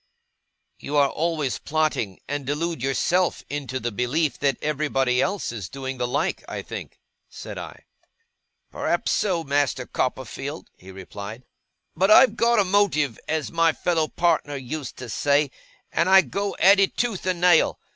'You are always plotting, and delude yourself into the belief that everybody else is doing the like, I think,' said I. 'Perhaps so, Master Copperfield,' he replied. 'But I've got a motive, as my fellow partner used to say; and I go at it tooth and nail.